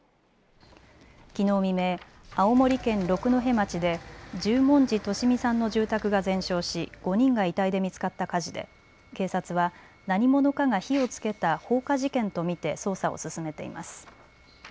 きのう未明、青森県六戸町で十文字利美さんの住宅が全焼し５人が遺体で見つかった火事で警察は何者かが火をつけた放火事件と見て捜査を進めています。